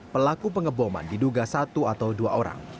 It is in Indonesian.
pelaku pengeboman diduga satu atau dua orang